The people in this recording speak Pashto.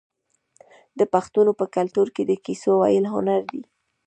د پښتنو په کلتور کې د کیسو ویل هنر دی.